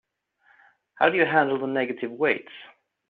How do you handle the negative weights?